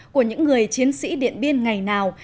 của những người chiến sĩ điện biên ngày nào